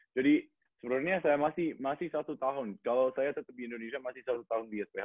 jadi sebenarnya saya masih satu tahun kalau saya tetap di indonesia masih satu tahun di isph